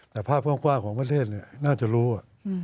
แต่ภาพกว้างของประเทศเนี่ยน่าจะรู้อ่ะ